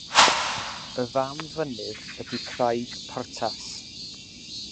Y fam fynydd ydy Craig Portas.